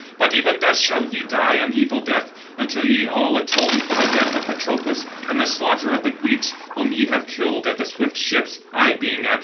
But even thus shall ye die an evil death, until ye all atone for the death of Patroclus, and the slaughter of the Greeks, whom ye have killed at the swift ships, I being absent."